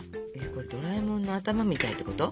これドラえもんの頭みたいってこと？